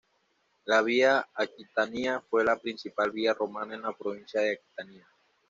La Vía Aquitania fue la principal vía romana en la provincia de Aquitania.